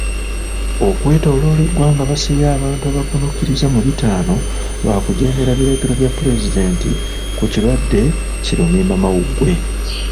Okwetooloola eggwanga basibye abantu abakkunukkiriza mu bitaano lwa kujeemera biragiro bya pulezidenti ku kirwadde ki Lumiimamawuggwe.